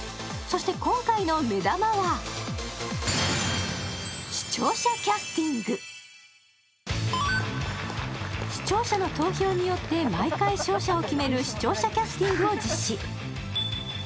そして今回の目玉は視聴者の投票によって毎回勝者を決める視聴者キャスティングを実施。